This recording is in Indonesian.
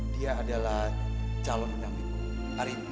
dia adalah calon endamiku hari ini